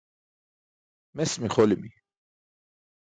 Mes mixolimi.